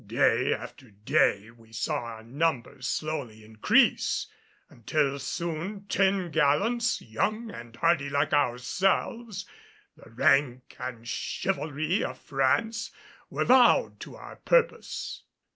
Day after day we saw our numbers slowly increase until soon ten gallants, young and hardy like ourselves, the rank and chivalry of France, were vowed to our purpose.